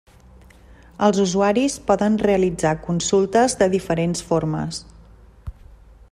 Els usuaris poden realitzar consultes de diferents formes.